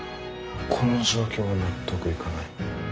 この状況は納得いかない。